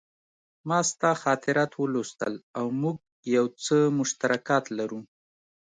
ما ستا خاطرات ولوستل او موږ یو څه مشترکات لرو